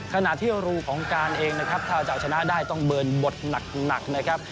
ขณะที่รูของการเองนะครับถ้าจะเอาชนะได้ต้องเบิร์นบทหนักนะครับ